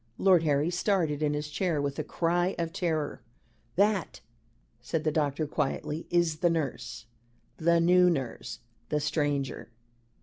Lord Harry started in his chair with a cry of terror. "That," said the doctor, quietly, "is the nurse the new nurse the stranger."